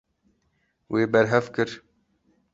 Wê berhev kir.